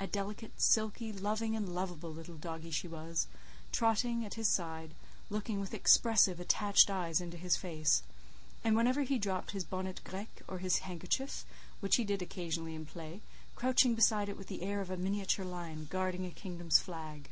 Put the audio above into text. A delicate, silky, loving, and lovable little doggie she was, trotting at his side, looking with expressive, attached eyes into his face; and whenever he dropped his bonnet grec or his handkerchief, which he occasionally did in play, crouching beside it with the air of a miniature lion guarding a kingdom's flag.